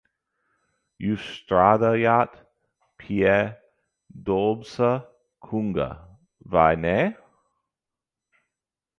Jūs strādājat pie Dobsa kunga, vai ne?